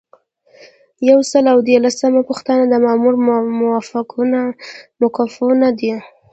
یو سل او دیارلسمه پوښتنه د مامور موقفونه دي.